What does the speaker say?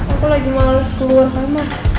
aku lagi males keluar nama